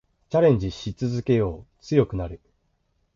チャレンジし続けよう。強くなる。